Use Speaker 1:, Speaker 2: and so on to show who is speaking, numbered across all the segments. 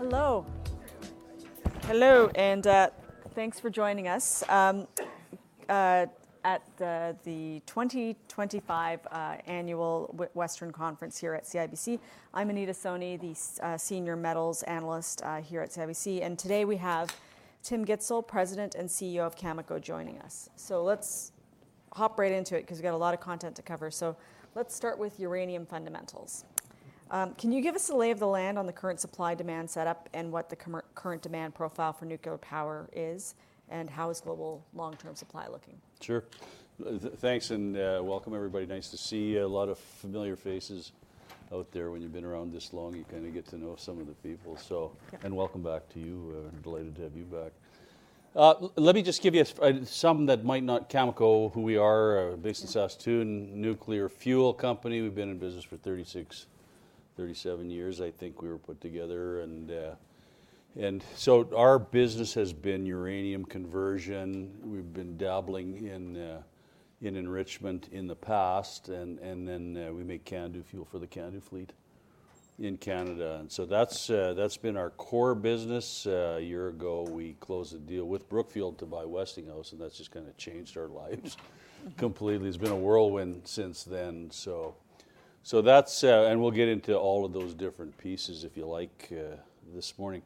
Speaker 1: Hello. Hello, and thanks for joining us at the 2025 Annual Western Conference here at CIBC. I'm Anita Soni, the Senior Metals Analyst here at CIBC. And today we have Tim Gitzel, President and CEO of Cameco, joining us. So let's hop right into it because we've got a lot of content to cover. So let's start with uranium fundamentals. Can you give us a lay of the land on the current supply-demand setup and what the current demand profile for nuclear power is, and how is global long-term supply looking?
Speaker 2: Sure. Thanks and welcome, everybody. Nice to see a lot of familiar faces out there. When you've been around this long, you kind of get to know some of the people. And welcome back to you. I'm delighted to have you back. Let me just give you something that might not Cameco, who we are. Based in Saskatoon, nuclear fuel company. We've been in business for 36, 37 years, I think we were put together. And so our business has been uranium conversion. We've been dabbling in enrichment in the past. And then we make CANDU fuel for the CANDU fleet in Canada. And so that's been our core business. A year ago, we closed a deal with Brookfield to buy Westinghouse, and that's just kind of changed our lives completely. It's been a whirlwind since then. And we'll get into all of those different pieces, if you like, this morning.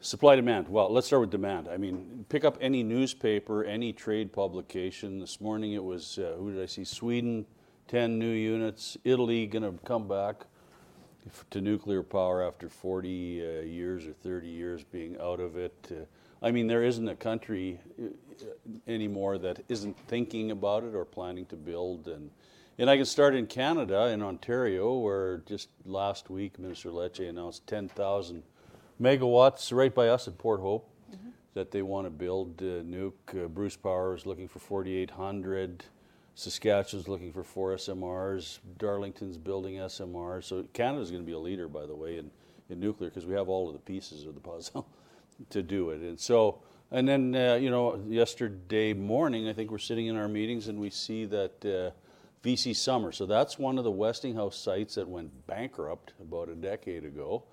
Speaker 2: Supply-demand. Well, let's start with demand. I mean, pick up any newspaper, any trade publication. This morning it was, who did I see? Sweden, 10 new units. Italy going to come back to nuclear power after 40 years or 30 years being out of it. I mean, there isn't a country anymore that isn't thinking about it or planning to build. And I can start in Canada, in Ontario, where just last week, Minister Lecce announced 10,000 megawatts right by us at Port Hope that they want to build nuke. Bruce Power is looking for 4,800. Saskatchewan is looking for four SMRs. Darlington's building SMRs. So Canada is going to be a leader, by the way, in nuclear because we have all of the pieces of the puzzle to do it. And then yesterday morning, I think we're sitting in our meetings and we see that V.C. Summer. So that's one of the Westinghouse sites that went bankrupt about a decade ago,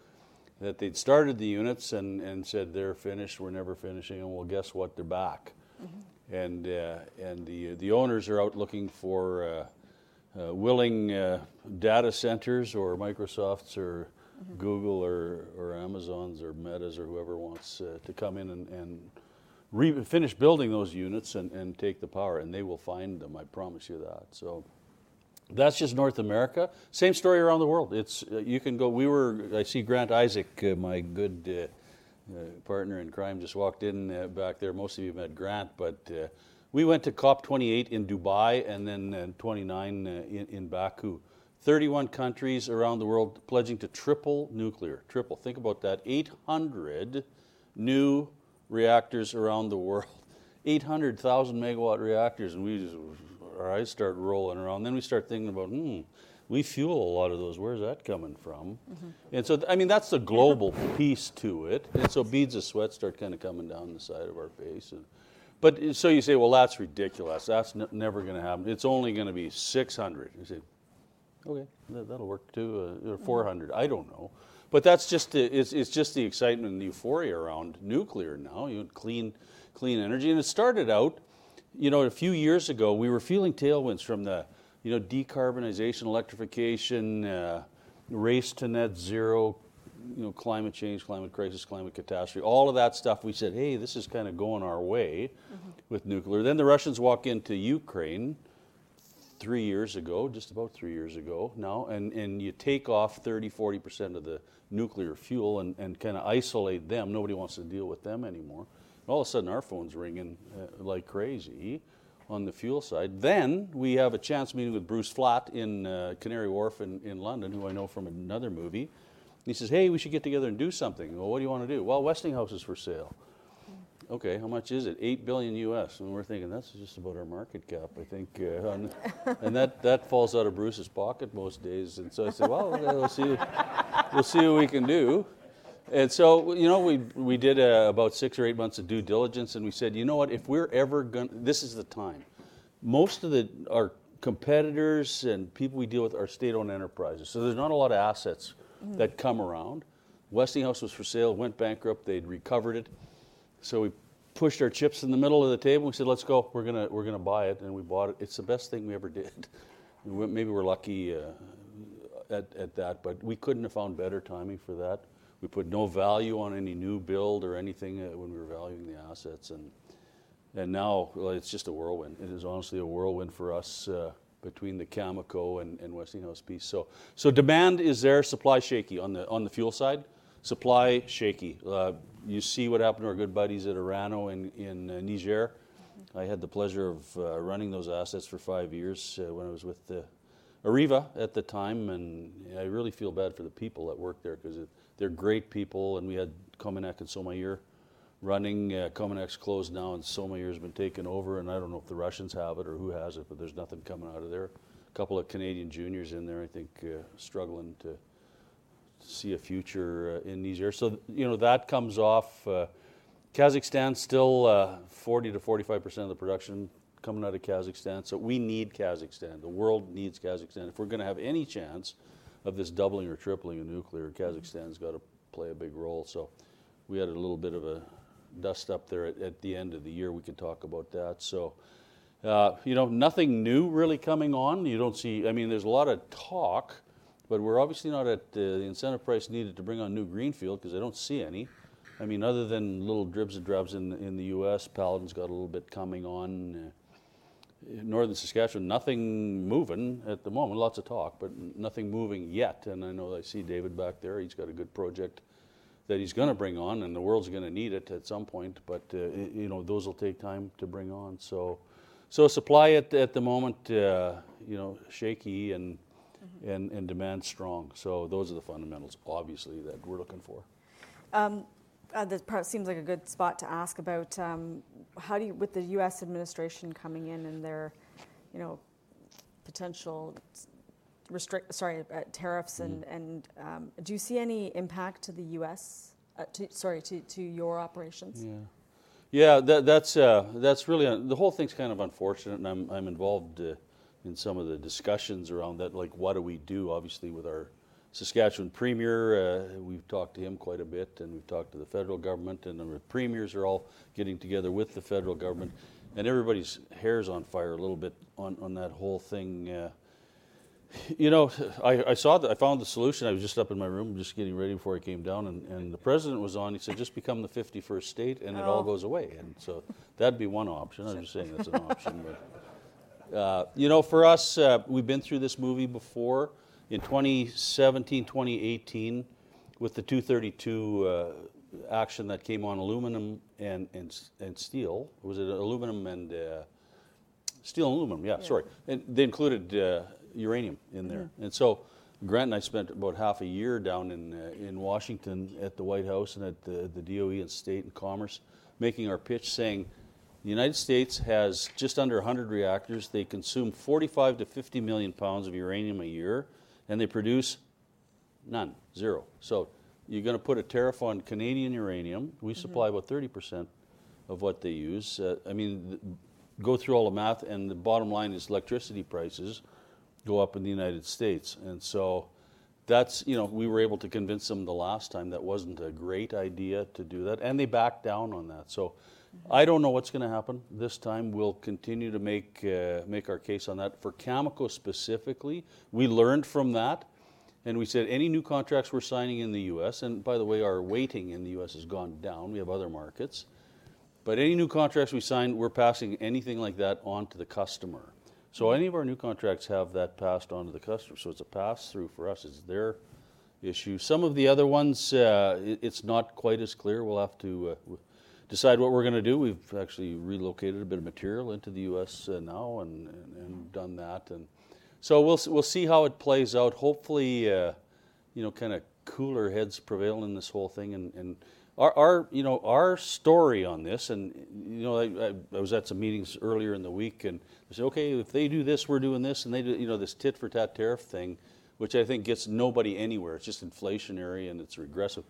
Speaker 2: that they'd started the units and said they're finished, we're never finishing. And well, guess what? They're back. And the owners are out looking for willing data centers or Microsofts or Google or Amazons or Metas or whoever wants to come in and finish building those units and take the power. And they will find them, I promise you that. So that's just North America. Same story around the world. You can go. I see Grant Isaac, my good partner in crime, just walked in back there. Most of you met Grant, but we went to COP28 in Dubai and then 29 in Baku. 31 countries around the world pledging to triple nuclear. Triple. Think about that. 800 new reactors around the world. 800,000 megawatt reactors. And we just start rolling around. Then we start thinking about, we fuel a lot of those. Where's that coming from? And so, I mean, that's the global piece to it. And so beads of sweat start kind of coming down the side of our face. But so you say, well, that's ridiculous. That's never going to happen. It's only going to be 600. You say, okay, that'll work too. Or 400. I don't know. But that's just the excitement and the euphoria around nuclear now, clean energy. And it started out, you know, a few years ago, we were feeling tailwinds from the decarbonization, electrification, race to net zero, climate change, climate crisis, climate catastrophe, all of that stuff. We said, hey, this is kind of going our way with nuclear. Then the Russians walk into Ukraine three years ago, just about three years ago now. And you take off 30%-40% of the nuclear fuel and kind of isolate them. Nobody wants to deal with them anymore. All of a sudden, our phones ringing like crazy on the fuel side. Then we have a chance meeting with Bruce Flatt in Canary Wharf in London, who I know from another movie. He says, hey, we should get together and do something. Well, what do you want to do? Well, Westinghouse is for sale. Okay, how much is it? $8 billion. And we're thinking, that's just about our market cap, I think. And that falls out of Bruce's pocket most days. And so I said, well, we'll see what we can do. And so, you know, we did about six or eight months of due diligence. And we said, you know what? If we're ever going to, this is the time. Most of our competitors and people we deal with are state-owned enterprises. So there's not a lot of assets that come around. Westinghouse was for sale, went bankrupt, they'd recovered it. So we pushed our chips in the middle of the table. We said, let's go, we're going to buy it. And we bought it. It's the best thing we ever did. Maybe we're lucky at that, but we couldn't have found better timing for that. We put no value on any new build or anything when we were valuing the assets. And now it's just a whirlwind. It is honestly a whirlwind for us between the Cameco and Westinghouse piece. So demand is there, supply shaky on the fuel side. Supply shaky. You see what happened to our good buddies at Orano in Niger. I had the pleasure of running those assets for five years when I was with Areva at the time. And I really feel bad for the people that work there because they're great people. And we had COMINAK and SOMAÏR running. COMINAK's closed now and SOMAÏR's been taken over. And I don't know if the Russians have it or who has it, but there's nothing coming out of there. A couple of Canadian juniors in there, I think, struggling to see a future in Niger. So that comes off. Kazakhstan still 40%-45% of the production coming out of Kazakhstan. So we need Kazakhstan. The world needs Kazakhstan. If we're going to have any chance of this doubling or tripling of nuclear, Kazakhstan's got to play a big role. So we had a little bit of a dust up there at the end of the year. We can talk about that. So nothing new really coming on. You don't see, I mean, there's a lot of talk, but we're obviously not at the incentive price needed to bring on new greenfield because I don't see any. I mean, other than little dribs and drabs in the U.S., Paladin's got a little bit coming on. Northern Saskatchewan, nothing moving at the moment. Lots of talk, but nothing moving yet. And I know I see David back there. He's got a good project that he's going to bring on and the world's going to need it at some point. But those will take time to bring on. So supply at the moment shaky and demand strong. So those are the fundamentals, obviously, that we're looking for.
Speaker 1: That seems like a good spot to ask about. With the U.S. administration coming in and their potential restrictions, sorry, tariffs, do you see any impact to the U.S., sorry, to your operations?
Speaker 2: Yeah. Yeah, that's really the whole thing's kind of unfortunate, and I'm involved in some of the discussions around that, like what do we do, obviously, with our Saskatchewan premier. We've talked to him quite a bit and we've talked to the federal government, and the premiers are all getting together with the federal government, and everybody's hair's on fire a little bit on that whole thing. You know, I found the solution. I was just up in my room, just getting ready before I came down, and the president was on. He said, just become the 51st state and it all goes away, and so that'd be one option. I'm just saying that's an option. You know, for us, we've been through this movie before in 2017, 2018 with the Section 232 action that came on aluminum and steel. Was it aluminum and steel and aluminum? Yeah, sorry. And they included uranium in there. And so Grant and I spent about half a year down in Washington at the White House and at the DOE and State and Commerce making our pitch saying the United States has just under 100 reactors. They consume 45-50 million pounds of uranium a year and they produce none, zero. So you're going to put a tariff on Canadian uranium. We supply about 30% of what they use. I mean, go through all the math and the bottom line is electricity prices go up in the United States. And so that's, you know, we were able to convince them the last time that wasn't a great idea to do that. And they backed down on that. So I don't know what's going to happen this time. We'll continue to make our case on that. For Cameco specifically, we learned from that. We said any new contracts we're signing in the U.S., and by the way, our weighting in the U.S. has gone down. We have other markets. But any new contracts we sign, we're passing anything like that on to the customer. So any of our new contracts have that passed on to the customer. So it's a pass-through for us. It's their issue. Some of the other ones, it's not quite as clear. We'll have to decide what we're going to do. We've actually relocated a bit of material into the U.S. now and done that. And so we'll see how it plays out. Hopefully, you know, kind of cooler heads prevail in this whole thing. Our story on this, and you know, I was at some meetings earlier in the week and I said, okay, if they do this, we're doing this. And they did this tit for tat tariff thing, which I think gets nobody anywhere. It's just inflationary and it's regressive.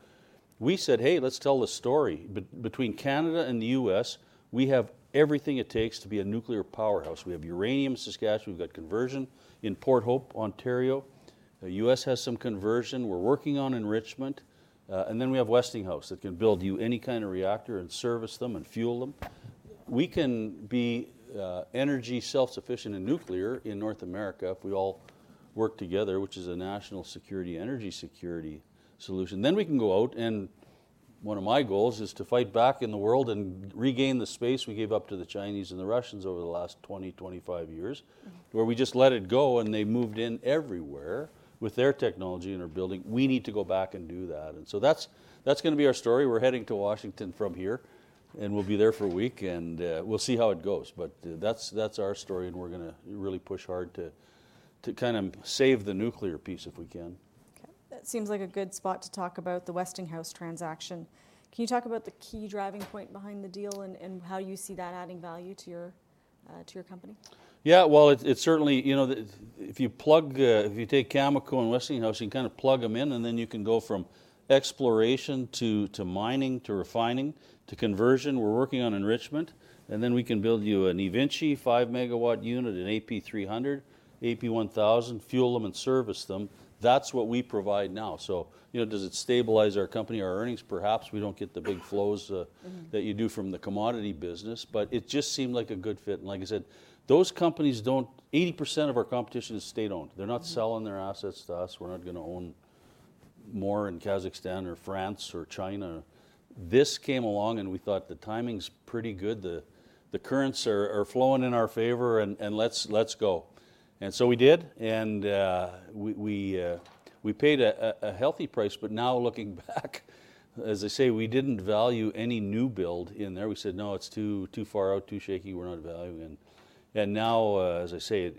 Speaker 2: We said, hey, let's tell the story. But between Canada and the U.S., we have everything it takes to be a nuclear powerhouse. We have uranium in Saskatchewan. We've got conversion in Port Hope, Ontario. The U.S. has some conversion. We're working on enrichment. And then we have Westinghouse that can build you any kind of reactor and service them and fuel them. We can be energy self-sufficient in nuclear in North America if we all work together, which is a national security, energy security solution. Then we can go out and one of my goals is to fight back in the world and regain the space we gave up to the Chinese and the Russians over the last 20-25 years, where we just let it go and they moved in everywhere with their technology and are building. We need to go back and do that. And so that's going to be our story. We're heading to Washington from here and we'll be there for a week and we'll see how it goes. But that's our story and we're going to really push hard to kind of save the nuclear piece if we can.
Speaker 1: That seems like a good spot to talk about the Westinghouse transaction. Can you talk about the key driving point behind the deal and how you see that adding value to your company?
Speaker 2: Yeah, well, it's certainly, you know, if you plug, if you take Cameco and Westinghouse, you can kind of plug them in and then you can go from exploration to mining to refining to conversion. We're working on enrichment. And then we can build you an eVinci five megawatt unit, an AP300, AP1000, fuel them and service them. That's what we provide now. So, you know, does it stabilize our company, our earnings? Perhaps we don't get the big flows that you do from the commodity business, but it just seemed like a good fit. And like I said, those companies don't, 80% of our competition is state-owned. They're not selling their assets to us. We're not going to own more in Kazakhstan or France or China. This came along and we thought the timing's pretty good. The currents are flowing in our favor and let's go. So we did. We paid a healthy price. Now looking back, as I say, we didn't value any new build in there. We said, no, it's too far out, too shaky. We're not valuing. Now, as I say,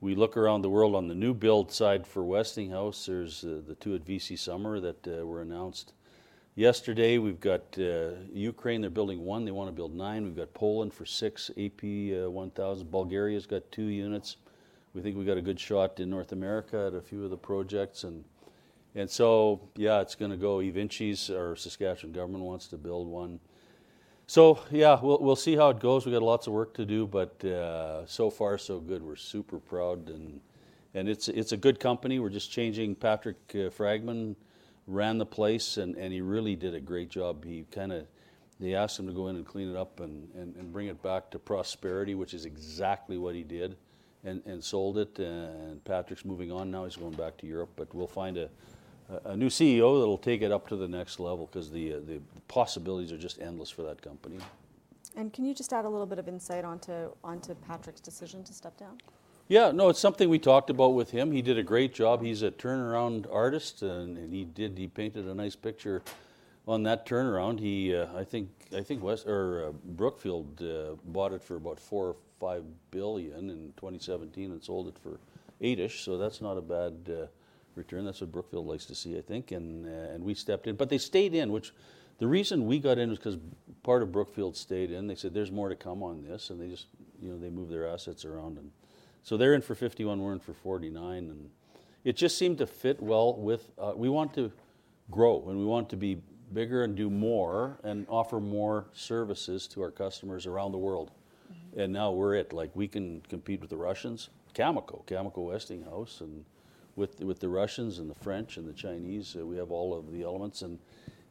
Speaker 2: we look around the world on the new build side for Westinghouse. There's the two at V.C. Summer that were announced yesterday. We've got Ukraine, they're building one. They want to build nine. We've got Poland for six AP1000. Bulgaria's got two units. We think we've got a good shot in North America at a few of the projects. Yeah, it's going to go. eVinci, or the Saskatchewan government wants to build one. Yeah, we'll see how it goes. We've got lots of work to do, but so far, so good. We're super proud. It's a good company. We're just changing. Patrick Fragman ran the place and he really did a great job. He kind of, they asked him to go in and clean it up and bring it back to prosperity, which is exactly what he did and sold it, and Patrick's moving on now. He's going back to Europe, but we'll find a new CEO that'll take it up to the next level because the possibilities are just endless for that company.
Speaker 1: Can you just add a little bit of insight onto Patrick's decision to step down?
Speaker 2: Yeah. No, it's something we talked about with him. He did a great job. He's a turnaround artist and he did, he painted a nice picture on that turnaround. I think Brookfield bought it for about four or five billion in 2017 and sold it for eight-ish. So that's not a bad return. That's what Brookfield likes to see, I think. And we stepped in, but they stayed in, which the reason we got in was because part of Brookfield stayed in. They said there's more to come on this. And they just, you know, they moved their assets around. And so they're in for 51, we're in for 49. And it just seemed to fit well with, we want to grow and we want to be bigger and do more and offer more services to our customers around the world. And now we're it. Like we can compete with the Russians, Cameco, Westinghouse. And with the Russians and the French and the Chinese, we have all of the elements.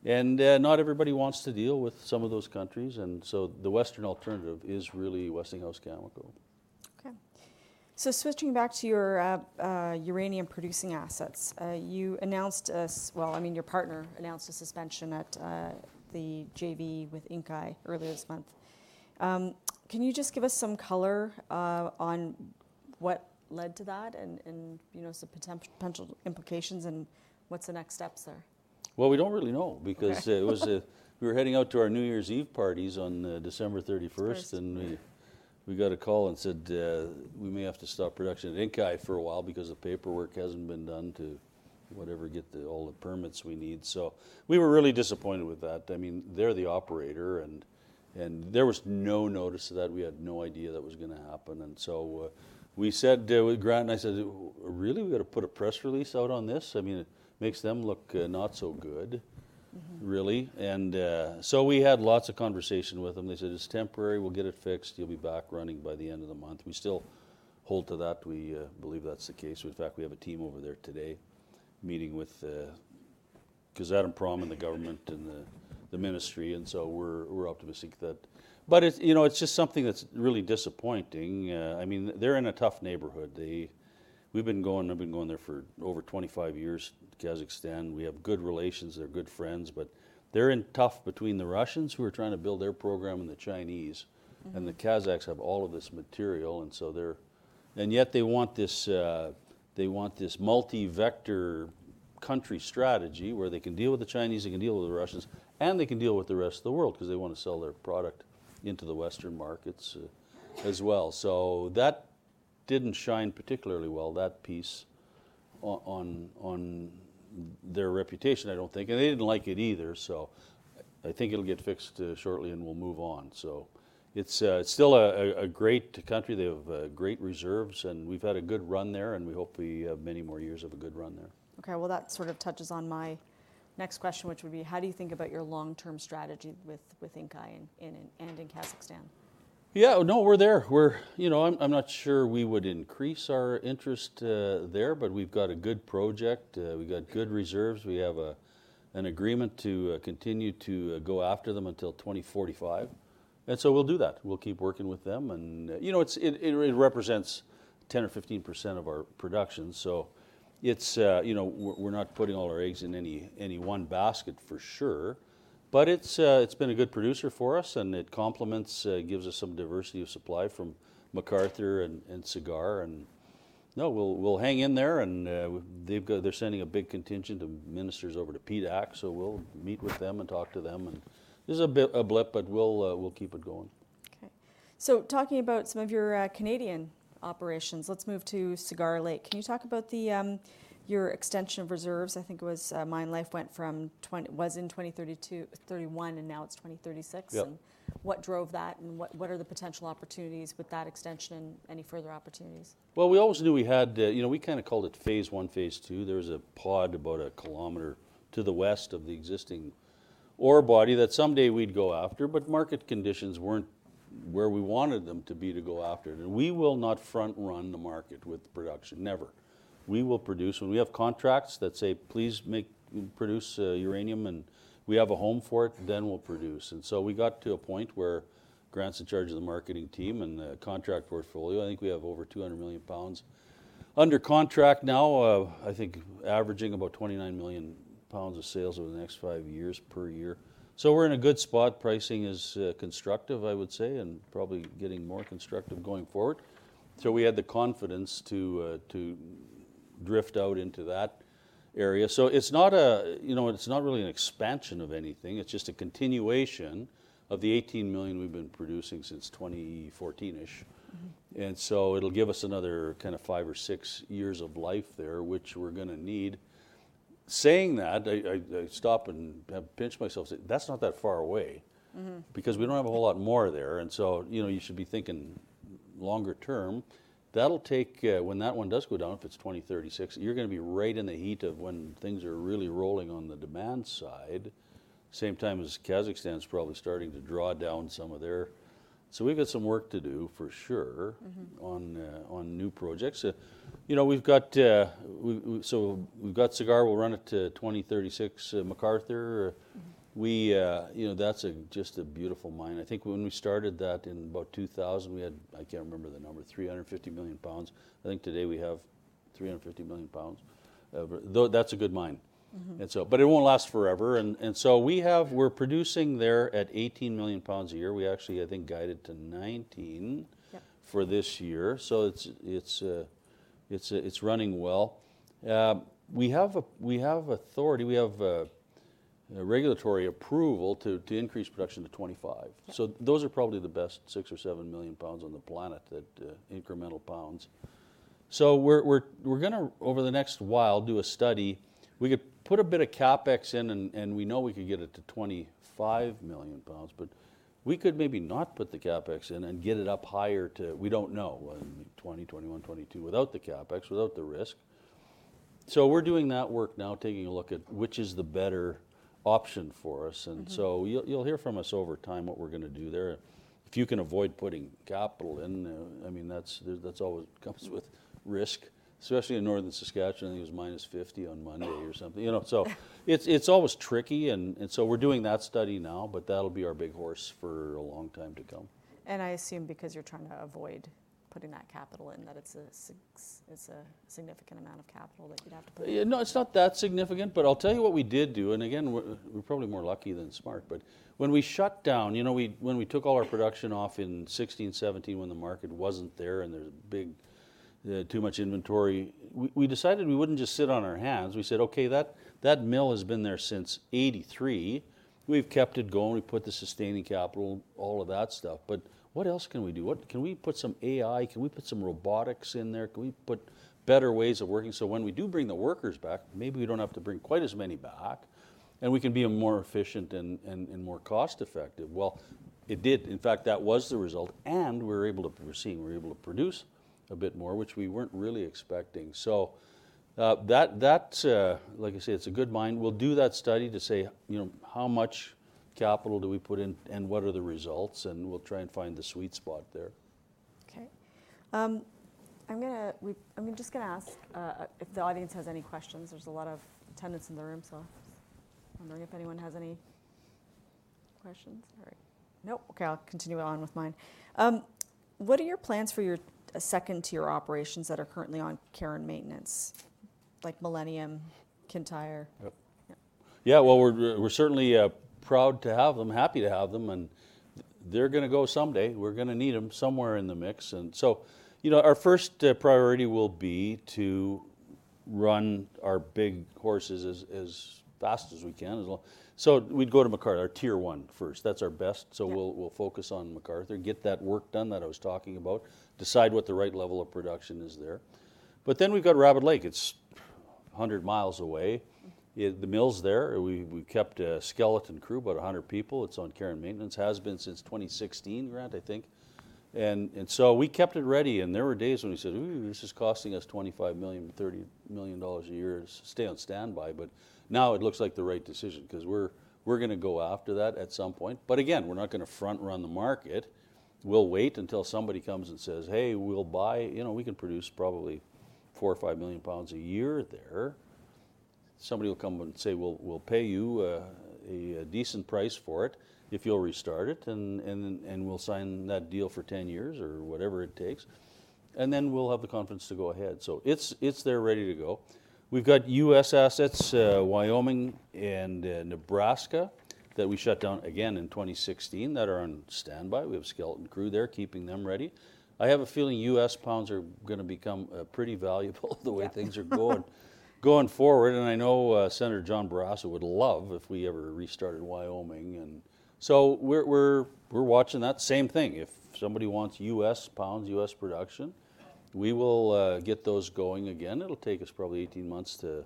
Speaker 2: And not everybody wants to deal with some of those countries. And so the Western alternative is really Westinghouse, Cameco.
Speaker 1: Okay, so switching back to your uranium producing assets, you announced, well, I mean, your partner announced a suspension at the JV with Inkai earlier this month. Can you just give us some color on what led to that and, you know, some potential implications and what's the next steps there?
Speaker 2: We don't really know because it was. We were heading out to our New Year's Eve parties on December 31st, and we got a call and said we may have to stop production at Inkai for a while because the paperwork hasn't been done to whatever, get all the permits we need. We were really disappointed with that. I mean, they're the operator and there was no notice of that. We had no idea that was going to happen, so we said, Grant and I said, really, we got to put a press release out on this? I mean, it makes them look not so good, really, and so we had lots of conversation with them. They said it's temporary. We'll get it fixed. You'll be back running by the end of the month. We still hold to that. We believe that's the case. In fact, we have a team over there today meeting with Kazatomprom and the government and the ministry. And so we're optimistic that, but it's, you know, it's just something that's really disappointing. I mean, they're in a tough neighborhood. I've been going there for over 25 years to Kazakhstan. We have good relations. They're good friends, but they're in a tough spot between the Russians who are trying to build their program and the Chinese. And the Kazakhs have all of this material. And so they're, and yet they want this, they want this multi-vector country strategy where they can deal with the Chinese, they can deal with the Russians, and they can deal with the rest of the world because they want to sell their product into the Western markets as well. So that didn't shine particularly well, that piece on their reputation, I don't think. And they didn't like it either. So I think it'll get fixed shortly and we'll move on. So it's still a great country. They have great reserves and we've had a good run there and we hope we have many more years of a good run there.
Speaker 1: Okay. Well, that sort of touches on my next question, which would be, how do you think about your long-term strategy with Inkai and in Kazakhstan?
Speaker 2: Yeah. No, we're there. We're, you know, I'm not sure we would increase our interest there, but we've got a good project. We've got good reserves. We have an agreement to continue to go after them until 2045, and so we'll do that. We'll keep working with them. And, you know, it represents 10% or 15% of our production. So it's, you know, we're not putting all our eggs in any one basket for sure, but it's been a good producer for us and it complements, gives us some diversity of supply from McArthur and Cigar. And no, we'll hang in there and they've got, they're sending a big contingent of ministers over to PDAC. So we'll meet with them and talk to them and this is a blip, but we'll keep it going.
Speaker 1: Okay. So talking about some of your Canadian operations, let's move to Cigar Lake. Can you talk about your extension of reserves? I think it was mine life went from, was in 2031 and now it's 2036. And what drove that and what are the potential opportunities with that extension and any further opportunities?
Speaker 2: We always knew we had, you know, we kind of called it phase one, phase two. There was a pod about a kilometer to the west of the existing ore body that someday we'd go after, but market conditions weren't where we wanted them to be to go after it. We will not front-run the market with production. Never. We will produce. When we have contracts that say, please make produce uranium and we have a home for it, then we'll produce. We got to a point where Grant's in charge of the marketing team and the contract portfolio. I think we have over 200 million pounds under contract now, I think averaging about 29 million pounds of sales over the next five years per year. We're in a good spot. Pricing is constructive, I would say, and probably getting more constructive going forward. So we had the confidence to drift out into that area. So it's not a, you know, it's not really an expansion of anything. It's just a continuation of the 18 million we've been producing since 2014-ish. And so it'll give us another kind of five or six years of life there, which we're going to need. Saying that, I stop and pinch myself. That's not that far away because we don't have a whole lot more there. And so, you know, you should be thinking longer term. That'll take, when that one does go down, if it's 2036, you're going to be right in the heat of when things are really rolling on the demand side, same time as Kazakhstan's probably starting to draw down some of there. So we've got some work to do for sure on new projects. You know, so we've got Cigar Lake. We'll run it to 2036, McArthur River. You know, that's just a beautiful mine. I think when we started that in about 2000, we had, I can't remember the number, 350 million pounds. I think today we have 350 million pounds. That's a good mine. And so, but it won't last forever. And so we have, we're producing there at 18 million pounds a year. We actually, I think, guided to 19 for this year. So it's running well. We have authority, we have regulatory approval to increase production to 25. So those are probably the best six or seven million pounds on the planet that incremental pounds. So we're going to, over the next while, do a study. We could put a bit of CapEx in and we know we could get it to 25 million pounds, but we could maybe not put the CapEx in and get it up higher to, we don't know, 20, 21, 22 without the CapEx, without the risk. So we're doing that work now, taking a look at which is the better option for us. And so you'll hear from us over time what we're going to do there. If you can avoid putting capital in, I mean, that's always comes with risk, especially in Northern Saskatchewan. I think it was minus 50 degrees Celsius on Monday or something, you know. So it's always tricky. And so we're doing that study now, but that'll be our workhorse for a long time to come.
Speaker 1: I assume because you're trying to avoid putting that capital in, that it's a significant amount of capital that you'd have to put in.
Speaker 2: No, it's not that significant, but I'll tell you what we did do. And again, we're probably more lucky than smart, but when we shut down, you know, when we took all our production off in 2016, 2017, when the market wasn't there and there's big, too much inventory, we decided we wouldn't just sit on our hands. We said, okay, that mill has been there since 1983. We've kept it going. We put the sustaining capital, all of that stuff. But what else can we do? Can we put some AI? Can we put some robotics in there? Can we put better ways of working? So when we do bring the workers back, maybe we don't have to bring quite as many back and we can be more efficient and more cost-effective. Well, it did. In fact, that was the result. And we were able to, we're seeing we're able to produce a bit more, which we weren't really expecting. So that, like I say, it's a good mine. We'll do that study to say, you know, how much capital do we put in and what are the results? And we'll try and find the sweet spot there.
Speaker 1: Okay. I'm going to, I'm just going to ask if the audience has any questions. There's a lot of attendees in the room. So I'm wondering if anyone has any questions. All right. Nope. Okay. I'll continue on with mine. What are your plans for your second tier operations that are currently on care and maintenance, like Millennium, Kintyre?
Speaker 2: Yeah. Well, we're certainly proud to have them, happy to have them. And they're going to go someday. We're going to need them somewhere in the mix. And so, you know, our first priority will be to run our big cores as fast as we can. So we'd go to McArthur, our tier one first. That's our best. So we'll focus on McArthur, get that work done that I was talking about, decide what the right level of production is there. But then we've got Rabbit Lake. It's a hundred miles away. The mill's there. We kept a skeleton crew, about a hundred people. It's on care and maintenance, has been since 2016, Grant, I think. And so we kept it ready. And there were days when we said, ooh, this is costing us $25 million-$30 million a year to stay on standby. But now it looks like the right decision because we're going to go after that at some point. But again, we're not going to front-run the market. We'll wait until somebody comes and says, hey, we'll buy, you know, we can produce probably four or five million pounds a year there. Somebody will come and say, we'll pay you a decent price for it if you'll restart it. And we'll sign that deal for 10 years or whatever it takes. And then we'll have the confidence to go ahead. So it's there ready to go. We've got U.S. assets, Wyoming and Nebraska that we shut down again in 2016 that are on standby. We have a skeleton crew there keeping them ready. I have a feeling U.S. pounds are going to become pretty valuable the way things are going forward. I know Senator John Barrasso would love if we ever restarted Wyoming. We're watching that same thing. If somebody wants U.S. pounds, U.S. production, we will get those going again. It'll take us probably 18 months to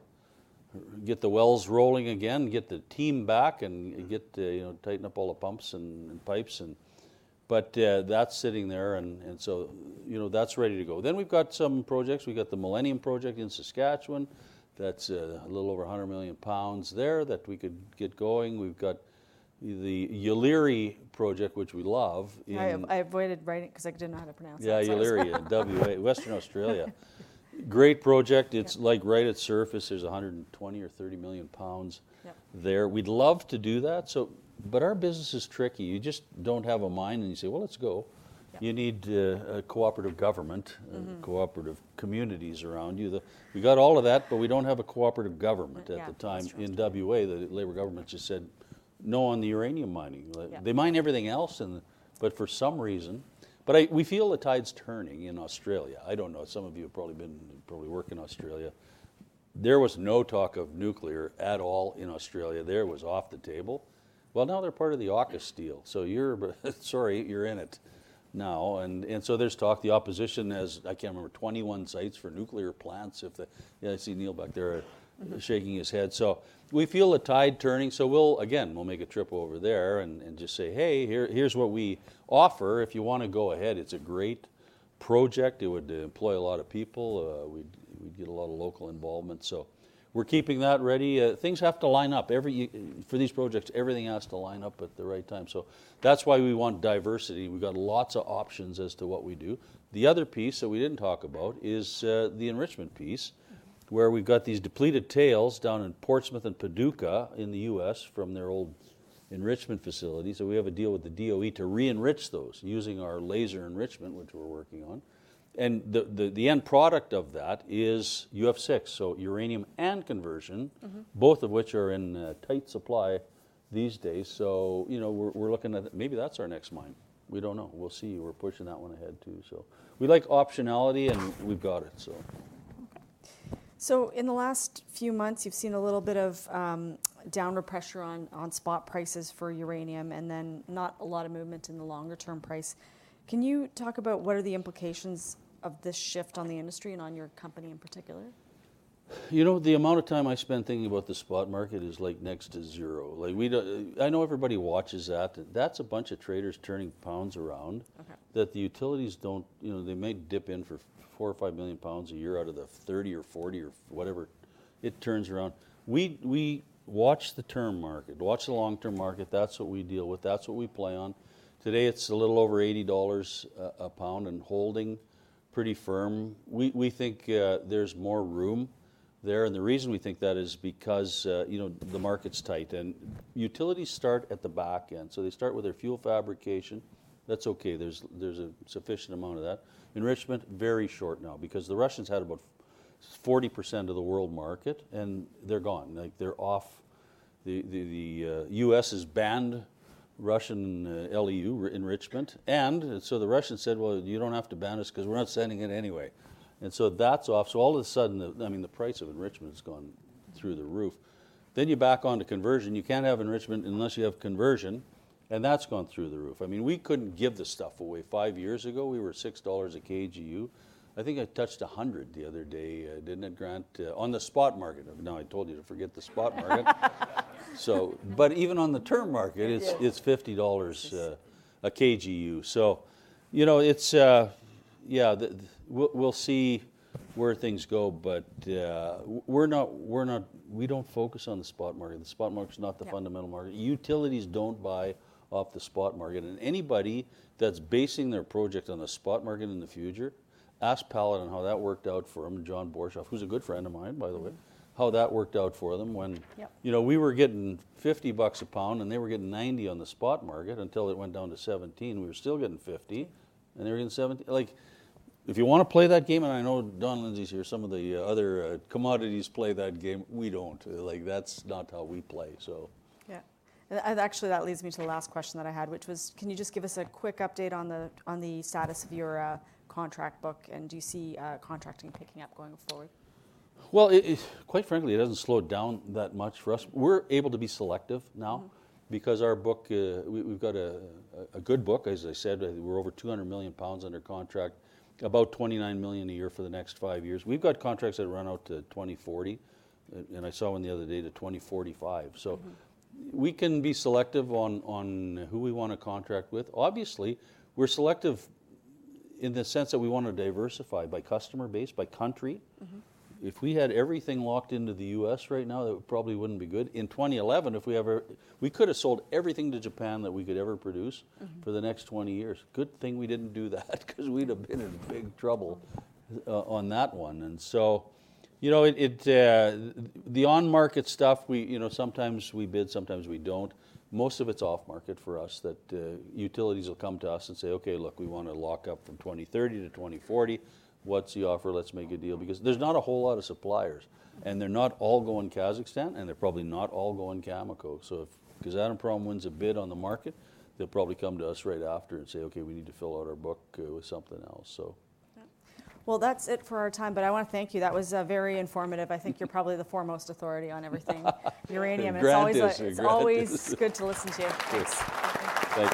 Speaker 2: get the wells rolling again, get the team back and get, you know, tighten up all the pumps and pipes. That's sitting there. That's ready to go. We've got some projects. We've got the Millennium project in Saskatchewan. That's a little over 100 million pounds there that we could get going. We've got the Yeelirrie project, which we love.
Speaker 1: I avoided writing because I didn't know how to pronounce it.
Speaker 2: Yeah, WA, Western Australia. Great project. It's like right at surface. There's 120 or 30 million pounds there. We'd love to do that. So, but our business is tricky. You just don't have a mine and you say, well, let's go. You need a cooperative government and cooperative communities around you. We've got all of that, but we don't have a cooperative government at the time in WA. The Labor government just said no on the uranium mining. They mine everything else, but for some reason, but we feel the tides turning in Australia. I don't know. Some of you have probably been working in Australia. There was no talk of nuclear at all in Australia. There was off the table. Well, now they're part of the AUKUS deal. So you're, sorry, you're in it now. And so there's talk. The opposition has, I can't remember, 21 sites for nuclear plants. I see Neil back there shaking his head. So we feel the tide turning. So we'll, again, we'll make a trip over there and just say, hey, here's what we offer. If you want to go ahead, it's a great project. It would employ a lot of people. We'd get a lot of local involvement. So we're keeping that ready. Things have to line up for these projects. Everything has to line up at the right time. So that's why we want diversity. We've got lots of options as to what we do. The other piece that we didn't talk about is the enrichment piece where we've got these depleted tails down in Portsmouth and Paducah in the U.S. from their old enrichment facility. So we have a deal with the DOE to re-enrich those using our laser enrichment, which we're working on. And the end product of that is UF6, so uranium and conversion, both of which are in tight supply these days. So, you know, we're looking at maybe that's our next mine. We don't know. We'll see. We're pushing that one ahead too. So we like optionality and we've got it.
Speaker 1: So in the last few months, you've seen a little bit of downward pressure on spot prices for uranium and then not a lot of movement in the longer-term price. Can you talk about what are the implications of this shift on the industry and on your company in particular?
Speaker 2: You know, the amount of time I spend thinking about the spot market is like next to zero. I know everybody watches that. That's a bunch of traders turning pounds around that the utilities don't, you know, they may dip in for four or five million pounds a year out of the 30 or 40 or whatever it turns around. We watch the term market, watch the long-term market. That's what we deal with. That's what we play on. Today it's a little over $80 a pound and holding pretty firm. We think there's more room there. And the reason we think that is because, you know, the market's tight and utilities start at the back end. So they start with their fuel fabrication. That's okay. There's a sufficient amount of that. Enrichment, very short now because the Russians had about 40% of the world market and they're gone. Like they're off. The U.S. has banned Russian LEU enrichment. And so the Russians said, well, you don't have to ban us because we're not sending it anyway. And so that's off. So all of a sudden, I mean, the price of enrichment has gone through the roof. Then you back on to conversion. You can't have enrichment unless you have conversion. And that's gone through the roof. I mean, we couldn't give this stuff away. Five years ago, we were $6 a kgU. I think I touched 100 the other day, didn't it, Grant? On the spot market. Now I told you to forget the spot market. So, but even on the term market, it's $50 a kgU. So, you know, it's, yeah, we'll see where things go, but we're not, we don't focus on the spot market. The spot market's not the fundamental market. Utilities don't buy off the spot market, and anybody that's basing their project on the spot market in the future, ask Paladin how that worked out for him and John Borshoff, who's a good friend of mine, by the way, how that worked out for them when, you know, we were getting $50 a pound and they were getting $90 on the spot market until it went down to $17. We were still getting $50 and they were getting $17. Like if you want to play that game, and I know Don Lindsay's here, some of the other commodities play that game. We don't. Like that's not how we play. So.
Speaker 1: Yeah. And actually that leads me to the last question that I had, which was, can you just give us a quick update on the status of your contract book and do you see contracting picking up going forward?
Speaker 2: Quite frankly, it hasn't slowed down that much for us. We're able to be selective now because our book, we've got a good book, as I said, we're over 200 million pounds under contract, about 29 million a year for the next five years. We've got contracts that run out to 2040. I saw one the other day to 2045. We can be selective on who we want to contract with. Obviously, we're selective in the sense that we want to diversify by customer base, by country. If we had everything locked into the U.S. right now, that probably wouldn't be good. In 2011, if we ever, we could have sold everything to Japan that we could ever produce for the next 20 years. Good thing we didn't do that because we'd have been in big trouble on that one. And so, you know, the on-market stuff, we, you know, sometimes we bid, sometimes we don't. Most of it's off-market for us that utilities will come to us and say, okay, look, we want to lock up from 2030 to 2040. What's the offer? Let's make a deal because there's not a whole lot of suppliers and they're not all going Kazakhstan and they're probably not all going Cameco. So if Kazatomprom wins a bid on the market, they'll probably come to us right after and say, okay, we need to fill out our book with something else. So.
Speaker 1: Well, that's it for our time, but I want to thank you. That was very informative. I think you're probably the foremost authority on everything.
Speaker 2: Great to hear. It's always good to listen to you. Thanks.